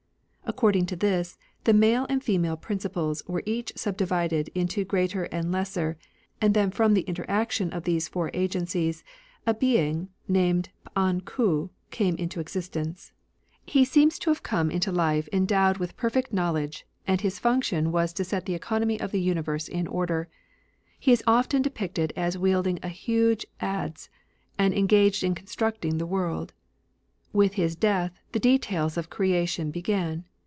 According to this, the Male and Female Principles were each subdivided into Greater and Lesser, and then from the interaction of these four agencies a being, named P'an Ku, came into existence. He 7 RELIGIONS OF ANCIENT CHINA seems to have come into life endowed with per fect knowledge, and his function was to set the economy of the universe in order. He is often depicted as wielding a huge adze, and engaged in constructing the world. With his death the details of creation began.